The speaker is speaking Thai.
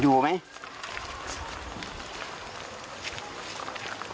อยู่ไหม